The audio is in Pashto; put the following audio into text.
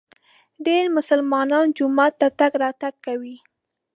ډېر مسلمانان جومات ته تګ راتګ کوي.